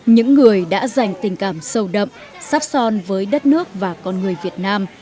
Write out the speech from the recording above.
những người đã dành tình cảm sâu đậm sắp son với đất nước và con người việt nam